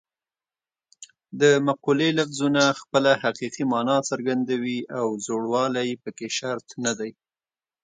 د مقولې لفظونه خپله حقیقي مانا څرګندوي او زوړوالی پکې شرط نه دی